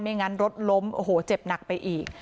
งั้นรถล้มโอ้โหเจ็บหนักไปอีก